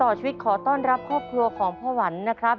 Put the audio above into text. ชีวิตขอต้อนรับครอบครัวของพ่อหวันนะครับ